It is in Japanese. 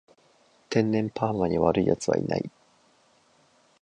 天然パーマに悪い奴はいない